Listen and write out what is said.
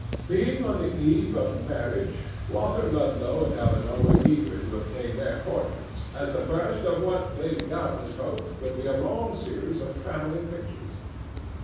Being on the eve of marriage, Walter Ludlow and Elinor were eager to obtain their portraits as the first of what, they doubtless hoped, would be a long series of family pictures.